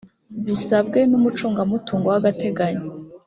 bisabwe n’umucungamutungo w’agateganyo